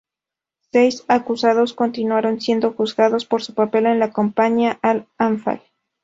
Seis acusados continuaron siendo juzgados por su papel en la campaña al-Anfal.